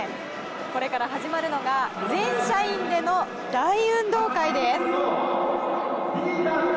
これから始まるのが全社員での大運動会です。